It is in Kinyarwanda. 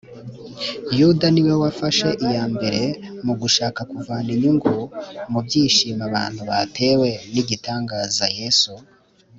yuda ni we wafashe iya mbere mu gushaka kuvana inyungu mu byishimo abantu batewe n’igitangaza yesu